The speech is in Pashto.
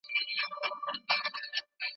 هغه عوامل چې بدلون راولي باید وپېژندل سي.